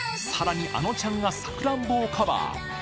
さらにａｎｏちゃんがさくらんぼをカバー。